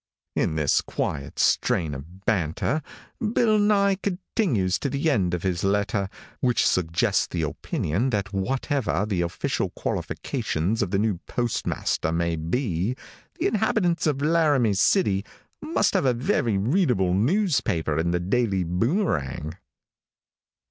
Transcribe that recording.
In this quiet strain of banter, Bill Nye continues to the end of his letter, which suggests the opinion that whatever the official qualifications of the new postmaster may be, the inhabitants of Laramie City must have a very readable newspaper in The Daily Boomerang."